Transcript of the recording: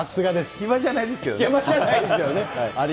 暇じゃないですよね。